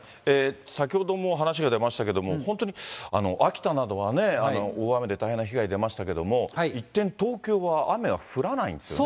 先ほども話が出ましたけれども、本当に秋田などは大雨で大変な被害が出ましたけれども、一転、東京は雨が降らないんですよね。